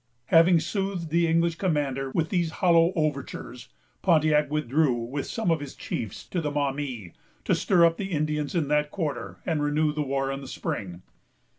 Having soothed the English commander with these hollow overtures, Pontiac withdrew with some of his chiefs to the Maumee, to stir up the Indians in that quarter, and renew the war in the spring.